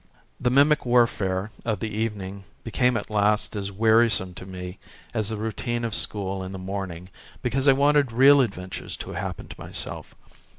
The mimic warfare of the evening became at last as wearisome to me as the routine of school in the morning because I wanted real adventures to happen to myself.